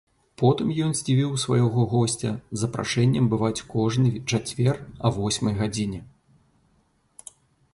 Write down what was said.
Потым ён здзівіў свайго госця запрашэннем бываць кожны чацвер а восьмай гадзіне.